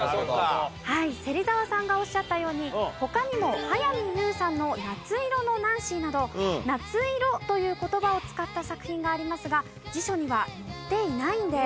はい芹澤さんがおっしゃったように他にも早見優さんの『夏色のナンシー』など「夏色」という言葉を使った作品がありますが辞書には載っていないんです。